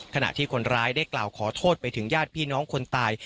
ขณะที่คนร้ายได้กล่าวขอโทษไปถึงญาติพี่น้องคนตาย